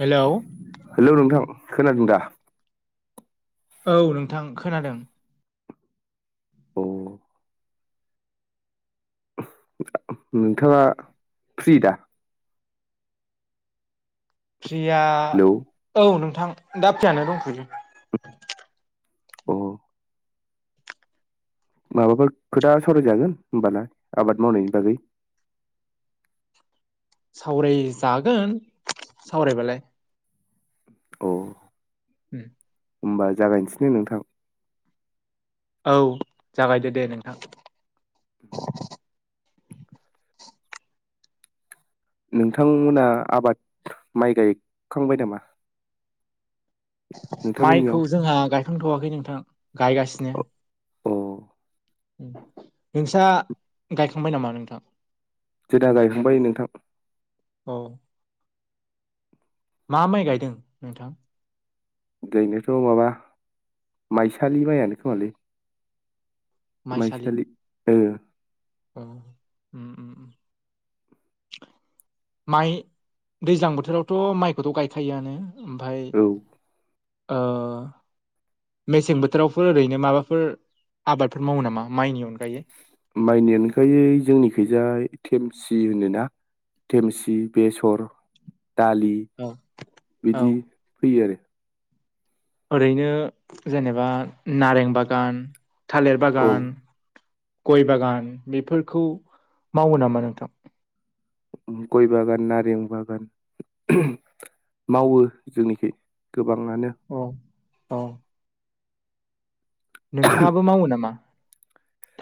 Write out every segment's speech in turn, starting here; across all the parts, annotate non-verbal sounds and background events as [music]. Hello hello नोंथां खोनादों दा औ नोंथां खोनादों औ नोंथाङा फ्रि दा फ्रिया हेलौ औ नोंथां दा फ्रियानो दंथ'यो अ माबाफोर खोथा सरायजागोन होनबाना आबाद मावनायनि बागै [inaudible] सावराय जागोन सावरायबालाय औ ह [inaudible] होम्बा जागायनोसै दै नोंथां औ जागायदो दे नोंथां नोंथांमोना आबाद माइ गायखांबाय नामा नोंथांमोननियाव माइखौ जोंहा गायखांथ'वाखै नोंथां गायगासिनो औ नोंस्रा गायखांबाय नामा नोंथां जेदा गायखांबाय नोंथां औ मा माइ गायदों नोंथां ओरैनोथ' माबा माइसालि माइआनो खोमालै माइसालि ओ औ उम उम-उम माइ दैज्लां बोथोरावथ' माइखौथ' गायखायोआनो ओमफ्राय औ [inaudible] मेसें बोथोरावफोर ओरैनो माबाफोर आबादफोर मावो नामा माइनि अनगायै। माइनिअनगायै जोंनिखैजाय थेमसि होनोना थेमसि बेसर दालि औ औ बिदि फैयो आरो ओरैनो जेनेबा नारें बागान थालिर आरो औ बागान गय बागान बेफोरखौ मावो नामा नोंथां गय बागान नारें बागान मावो जोंनिखै गोबाङानो औ औ नोंथाङाबो मावो नामा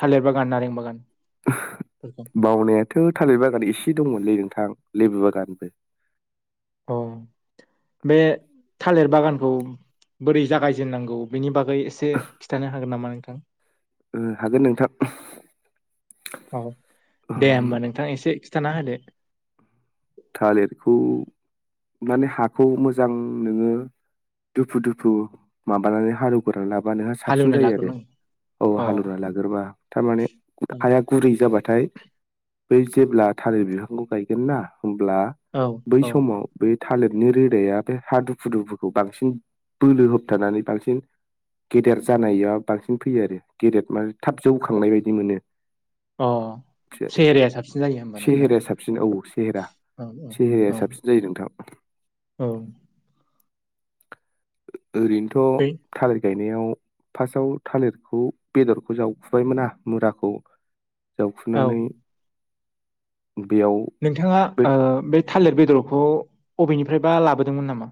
थालिर बागान नारें बागान ओहो बावनायाथ' थालिर बागान एसे। दंमोनलै नोंथां लेबोबागानबो। अ बे थालिर बागानखौ बोरै जागायजेननांगौ बेनि बागै बै एसे खिथानो हागोन नामा नोंथां। ओ हागोन नोंथां औ दे होमबा नोंथां एसे जानाल [unintelligible] थालिरखौ माने हाखौ मोजां नोङो। दुफु दुफु माबानानै हालेव ग्रोनानै लाबानो साबसिन हालेवना जायो आरो। लाग्रोनांगौ औ हालवा लाग्रोबा थारमाने हाया गुरै जाबाथाय। बै जेब्ला थालिर बिफांखौ गायगोन ना होब्ला औ बै औ समाव बे थालिरनि रोदाया बे हा दुफु दुफुखौ बांसिन बोलो होबथानानै बांसिन गेदेर जानाया बांसिन फैयो आरो गेदेर माने थाब जौखांनाय बायदि मोनो। अ बे सेहेराया साबसिन जायो होमबाना ना सेहेराया साबसिन औ सेहेरा। औ औ सेेहेराया औ साबसिन जायो नोंथां। औ ओरैनोथ' बै थालिर गायो बेयाव फासाव थालिरखौ बेदरखौ जावखुबाय मोना मुराखौ। औ जावखुनानै बेयाव नोंथांङा बे ओ बे थालिर बेदरखौ बबेनिफ्रायबा लाबोदोंमोन नामा?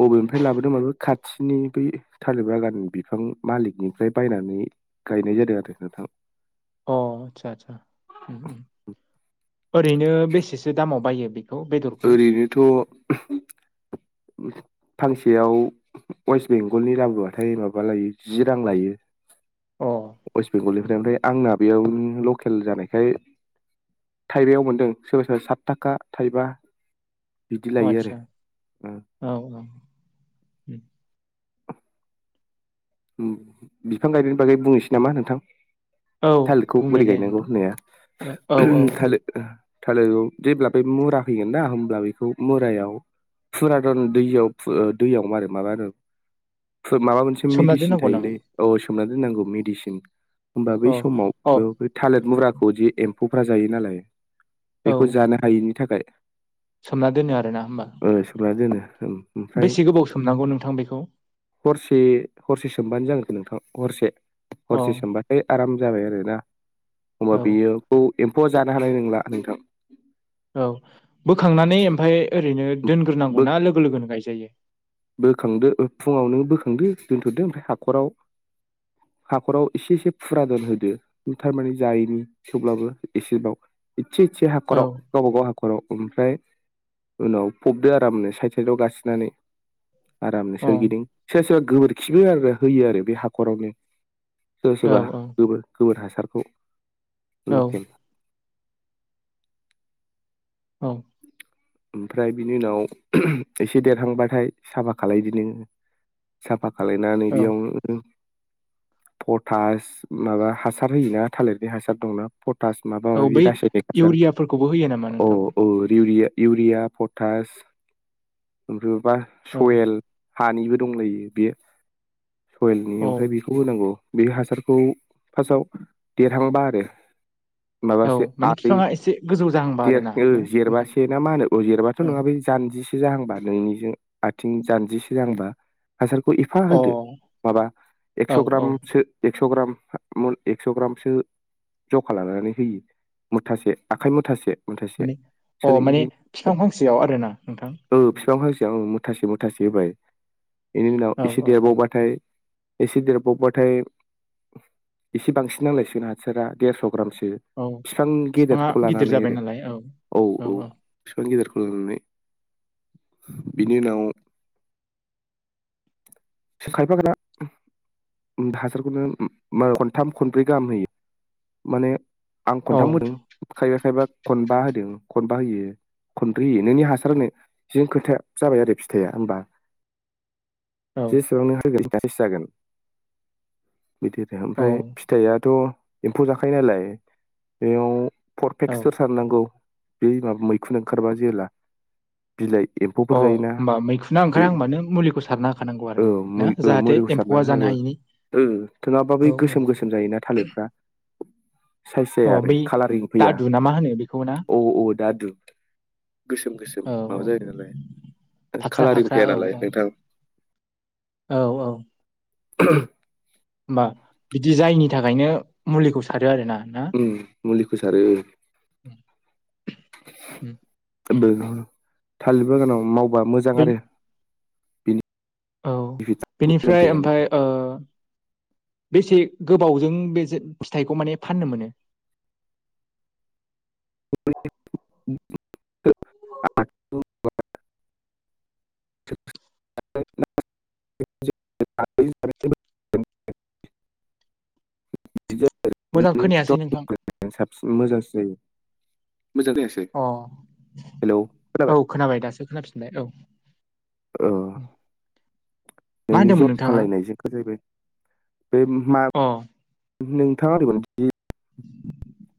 बबेनिफ्राय लाबोदों माने खाथिनि बै थालेट बागान बिफां मालिकनिफ्राय बायनानै। गायनाय जादों आरो नोंथां। अ आदसा आदसा ओरैनो बेसेसो दामाव बायो। बेखौ बेदरखौ? ओरैनोथ' फांसेयाव अवेस बेंगलनि लाबोबाथाय माबा लायो जि रां लायो। अ उम वेस्ट बेंगलनिफ्राय उम ओमफ्राय आंना बेयावनो लकेल जानायखाय थाइबायाव मोनदों सोरबा सोरबा सात थाखा थाइबा बिदि अ लायो आरो। आदसा औ औ। उम बिफां गायनायनि बागै बुंनोसै नामा नोंथां। औ थालिरखौ बुंदो बोरै दे गायनांगौ नोंथां होननाया औ औ औ उमह थालिर थालिरआव जेब्ला बे मुरा फैगोन ना होमब्ला बेखौ मुरायाव। फुरादन दैयाव फु ओ दैयाव मारै माबा आरो। फु माबा मोनसे सोमना मेडिसिन दोननांगौ नामा? थायोलै औ सोमना दोननांगौ मेडिसिन- होमबा अ बै समाव अ बे थालिर मुराखौ जि एम्फौफ्रा जायो नालाय। औ बेखौ जानो हायैनि थाखाय। सोमना दोनो आरोना होमबा? सोमना दोनो ओमफ्राय बेसे गोबाव सोमनांगौ नोंथां बेखौ? हरसे हरसे सोमबानो जागोन नोंथां हरसे अ हरसे सोमबाथाय आराम जाबाय आरोना। होमबा औ बियो बिखौ एमफऔआ जानो हानाय नंला नोंथां। औ बोखांनानै ओमफ्राय ओरैनो दोनग्रोनांगौना लोगो लोगोनो गायजायो? बोखांदो ओ फुंङावनो बोखांदो दोनथ'दो ओमफ्राय हाखराव हाखराव एसे एसे फुरादोन होदो थारमाने जायैनि थेवब्लाबो एसेबाव। इसे इसे औ हाखराव गावबाागाव हाखराव ओमफ्राय उनाव फबदो आरामनो साइथ साइथाव गासिननानै। आरामनो अ सोरगिदिं सोर सोरबा गोबोरखिबो आरो होयो आरो बे हाखरावनो। सोरबा औ सोरबा गोबोर गोबोर हासारखौ औ लकेल। औ। ओमफ्राय बिनि उनाव उमह उमह एसे देरहांबाथाय साफा खालदो नोंङो। साफा खालायनानै औ बेयावनो पटास माबा हासार होयोना थालिरनि हासार दंना औ माबााब बै र सार इउरियाफोरखौबो होयो नामा औ नोंथां? [unintelligible] रिउरिया इउरिया पटास ओमफ्रायबा औ सयेल। हानिबो दंलायो बे सवेलनि औ ओमफ्राय बेखौ होनांगौ बे हासारखौ खौ फार्स्टाव देरहांबा आरो औ माबासे माने आै बिफाङा एसे गोजौ जाहांबा ग [unintelligible] आरोना ओ ना नोंथां जेरबासे ना मा होनो औ जेरबाथ' नंङा बेै जानजिससे जाहांबानो नोंनिजों आथिं जानजि से जाहांबा हासारखौ एफा औ होदो माबा अ एक्स' औ औ ग्रामसो एकस' ग्राम मुल एकस ग्रामसो जखा लानानै होयो मुथासे आखाय मुथासे मुथासे माने अ माने सोरगिदिं बिफां फांसेयाव आरोना नोंथां? बिफां औ फांसेयाव मुथासे मुथासे होबाय बेनि उनाव औ एसे औ देरबावबाथाय एसे देरबावबाथाय एसे बांसिन नांलायसिगोन हासारा देरस ग्रामसो औ फिफां बिफाङा गेदेरखौ गिदिर लानानै जाबाय आरो नालाय औ औ फिफां गेदेरखौ लानानै बिनि उनाव खायफागोना हासारखौनो खनथाम खनब्रै गाहाम होयो माने आं औ खनथाम होदों खायफा खायफा खनबा होदों खनबा होयो । खनब्रै होयोलै नोंनि हासार होनायजों खोथा जाबाय आरो फिथाइया होमबा । औ जेसेबांनो [unintelligible] बिदि आरो औ ओमफ्राय फिथाइयाथ एम्फौ जाखायो नालाय बेयाव अ परफेक्सफोर सारनांगौ बे माबा मैखुन ओंखारबा जेब्ला बिलाइ एम्फौफोर अ जायोना होमबा मैखुनना बे ओंखारहांबानो मुलिखौ सारना होखानांगौ औ आरो ना जाहाथे एम्फौआ जानो हायिनि । ओं नोंङाबा बे गोसोम गोसोम जायोना थालिरफ्रा साइस अ जाया आरो बै कालारिं फैया दादु ना मा होनो बेखौ ना? औ औ दा दु गोसोम गोसोम औ औ माबा जायो नालाय फाख्रा कालारिं फाख्रा फैया औ नालाय औ नोंथां । औ औ । होमबा बिदि जायिनि थाखायनो मुलिखौ सार उम्म मुलिखौ सारो । [unintelligible] थालिर बागानाव मावबा मोजां बेन आरो बेनि औ बेनिफ्राय ओमफ्राय ओ बेसे गोबावजों बे फिथाइखौ माने फाननो मोनो? [unintelligible] आ [unintelligible] मोजां खोनायासै नोंथां । साबसिन मोजांसिन जायो मोजां जायासै अ औ खोनाबाय दासो खोनाफिनबाय औ । ओ । मा नोंनि होनदोंमोन जथ नोंथाङा खालायनायजों सो जाहैबाय बे मा अ नोंथाङा ओरैबायदि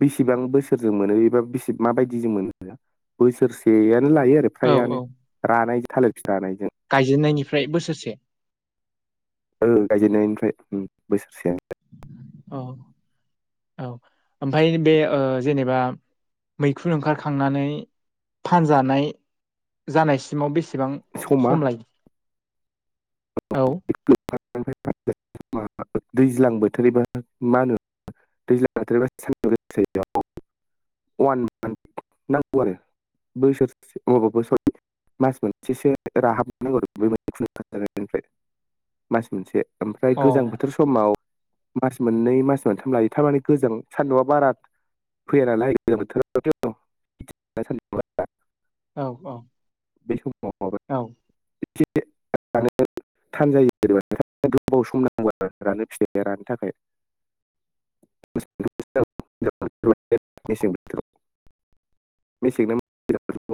बेसेबां बोसोरजों मोनो एबा बेसे माबायदिजों मोनो बोसोरसे लायो आरो फ्रायानो रानायजो थालिर फिथाइ रानायजो गायजेेननायनिफ्राय बोसोरसे औ गायजेननायनिफ्राय उम्म बोसोरसे । औ औ ओमफ्राय बे ओ जेनेबा मैखुन ओंखारखांनानै फानजानाय जानायसिमाव बेसे बां समा सम लायो [inaudible] दैज्लां बोथोरबा मा होनो? दैज्लां बोथोरबा [inaudible] वान मान्थ नांगौ आरो बोसोरसे [inaudible] सरि । मास मोनसेसो राहाब नांगौ बै मैखुन ओंखारनायनिफ्राय मास मोनसे । ओमफ्राय औ अ गोजां बोथोर समाव मास मोननै मास मोनथाम लायो । थारमाने गोजों सान्दुंआ बारा फैया नालाय बोथोरावथ' [inaudible] औ औ औ । [inaudible] थानजायो जेनेबा गोबाव सम नांगौ रानो फिथायाया रानो थाखाय । [inaudible] मेसें बोथोराव मेसें [inaudible]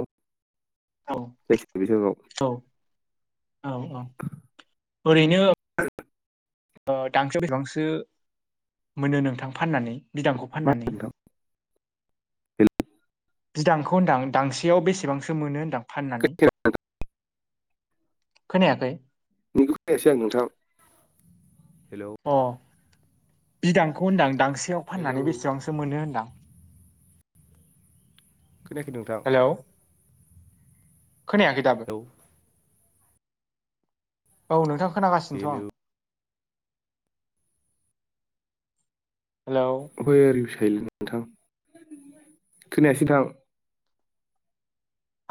औ औ [unintelligible] औ औ ओरैनो दांसोयाव बेसेबांसो मोनो नोंथां फाननानै? बिदांखौ मा फाननानै? होनो नोंथां बिदांखौ होनदां दांसेयाव बेसेबांसो मोनो होनदां फाननानै? हेल' [inaudible] खोनायाखै? नोंनिखौ खोनायासै आं नोंथां हेलौ । अ बिदांखौ होनदां गांसेयाव हेलौ फाननानै बेसेबांसो मोनो होनदां? खोनाखै नोंथां । हेलौ खोनायाखै दाबो हेलौ औ नोंथां । खोनागासिनोथ' आं हेलौ । हेल' । खैलै नोंथां खोनायासै नोंथां।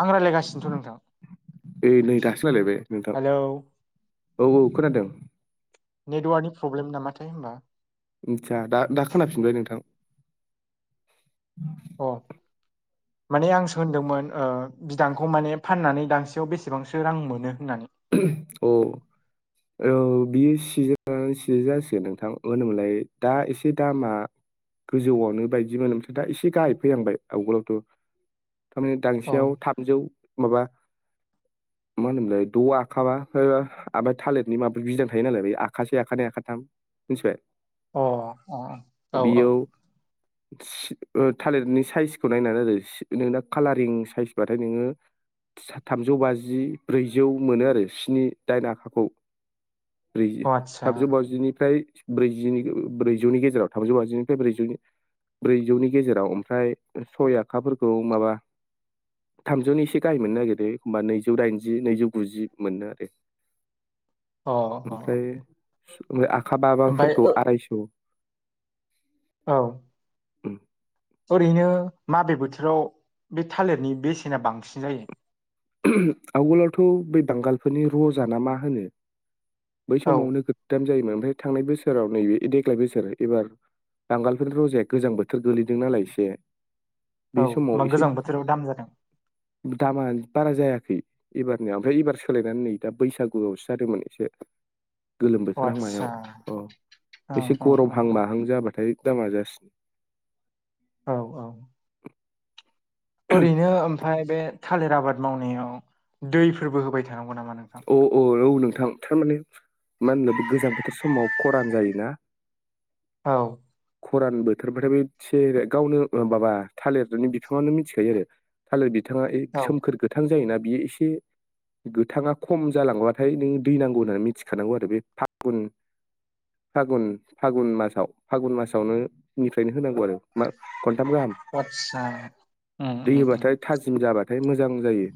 आं रायलायगासिनोथ' नोंथां [inaudible] नै नै दासो जालायबाय नोंथां। हेलौ औ औ खोनादों । नेटवार्कनि प्रब्लेम नामाथाय होनोमबा । आसा दा दा खोनाफिनबाय नोंथां । अ । [inaudible] माने आंसो होनदोंमोन बिदांखौ माने फाननानै दांसेयाव बेसेबांसो रां मोनो होननानै । औ । औ बियो सिजोन लानानै सिजेन जासिगोन नोंथां होनोमोनलाय दा एसे दामा गोजौआवनो बायदिमोनो ओमफ्राय दा एसे गाहाय फैनांबाय आवगोलावथ' थारमाने औ दांसेयाव थामजौ माबा मा होनोमलाय दआ आबा ओमफ्राय थालिरनि माबा गदां थायो नालाय बे आखसे आखानै आखाथाम मिथिबाय । अ अ औ औ । थालिरनि साइजखौ नायनानै आरो नोंना कालारिं साइसबाथाय नोङो । सा थामजौ बाजि ब्रैजौ मोनो आरो । स्नि दाइन आखाखौ ब्रैजि आदसा थामजौ बाजिनिफ्राय ब्रैजिनि ब्रैजौनि गेजेराव थामजौ बाजिनिफ्राय ब्रैजौनि ब्रैजौनि गेजेराव ओमफ्राय सय आफोरखौ माबा थामजौनि एसे गाहाय मोननो नागिरदों एखमबा नैजौ दाइनजि नैजौ गुजि मोनो आरो । अ अ । ओमफ्राय आखा बाबाफोरखौ आरायस' । औ । [inaudible] ओरैनो माबे बोथोराव बे थालिरनि बेसेना बांसिन जायो? आवगोलावथ' बै बांगालफोरनि रजाना मा होनो बै औ समावनो गोगोम जायोमोन ओमफ्राय थांनाय बोसोराव नैबे देग्लाय बोसोर एबार बांगालफोरनि रजाया गोजां बोथोर गोलैदों नालाय एसे बे औ समाव होमबा एसे गोजां बोथोराव दाम जादों दामा बारा जायाखै एबारनियाव ओमफ्राय इबार सोलायनानै नै दा बैसागुआवसो जादोंमोन एसे गोलोम अ बोथोरहां मायाव आदसा अ औ एसे औ औ गरमहां माहां जाबाथाय दामा जासिन औ औ ओरैनो ओमफफाय बे थालिर आबाद मावनायाव दैफोरबो होबाय थानांगौ नामा नोंथां अ औ औ नोंथां थारमाने मा होनो बे गोजां बोथोर समाव खरान जायोना औ खरान बोथोर बाथाय बे गावनो माबा थालिरनि बिफाङानो मिथिखायो आरो। थालिर बिथाङा औ सोमखोर गोथां जायोना बियो एसे गोथाङा खम जालांबाथाय नों दै नांगौ होननानै मिथिखानांगौ आरो बे फागुन फागुन फागुन मासाव फागुन मासावनो निफ्रायनो होनांगौ आरो मा खनथाम गाहाम आदसा उम दै उम उम होबाथाय थाजिम जाबाथाय मोजां जायो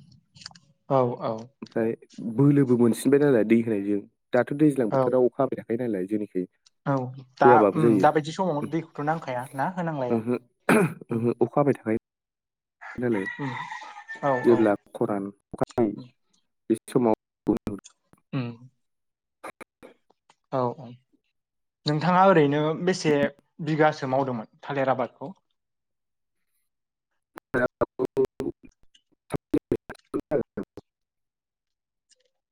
औ औ ओमफ्राय बोलोबो मोनसिनबाय नालाय दै होनायजों दाथ' दैज्लां औ बोथोराव अखा हाबाय थाखायो नालाय जेनेखि औ दा होआबाबो उम जायो दाबायदि समाव दैखौथ' नांखाया ना होनांलाया ओहो उम ओहो अखा हाबाय थाखायो नालाय उम औ औ जेब्ला खरान अखानायै उम बि समाव बयहाबो उम [inaudible] औ औ नोंथाङा ओरैनो बेसे बिगासो मावदोंमोन थालेर आबादखौ थालिर आबादखो [unintelligible]